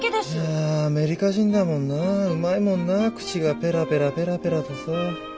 はあアメリカ人だもんな。うまいもんな口がペラペラペラペラとさ。